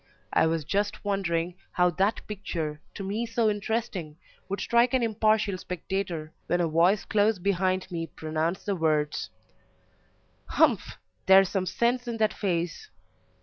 I was just wondering how that picture, to me so interesting, would strike an impartial spectator, when a voice close behind me pronounced the words "Humph! there's some sense in that face."